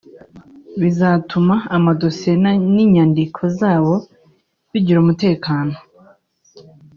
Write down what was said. bizatuma amadosiye n’ inyandiko zabo bigira umutekano